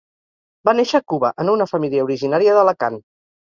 Va néixer a Cuba, en una família originària d'Alacant.